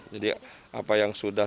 jadi apa yang sudah